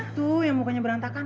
itu yang mukanya berantakan